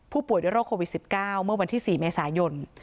ผู้ป่วยด้วยโรคโควิด๑๙เมื่อวันที่๔เมษายน